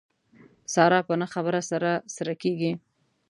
ساره په نه خبره سره سره کېږي.